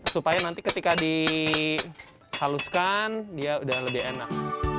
supaya nanti ketika dihaluskan dia udah lebih enak